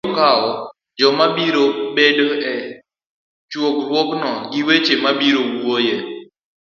ndalo mobiro kawo, joma biro bedo e chokruogno, gi weche mibiro wuoyoe,